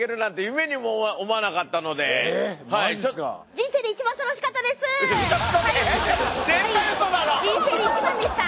人生で一番でした。